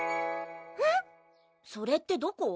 うん⁉それってどこ？